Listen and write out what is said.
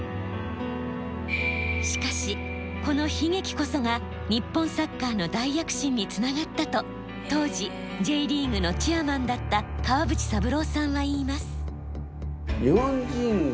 しかしこの悲劇こそが日本サッカーの大躍進につながったと当時Ｊリーグのチェアマンだった川淵三郎さんは言います。